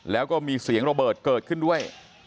แล้วก็มีเสียงระเบิดเกิดขึ้นด้วย